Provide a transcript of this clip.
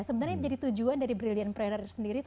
sebenarnya jadi tujuan dari brilliant prayer sendiri itu